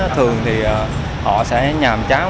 thường thì họ sẽ nhằm chán